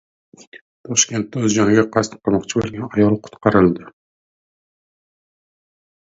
Toshkentda o‘z joniga qasd qilmoqchi bo‘lgan ayol qutqarildi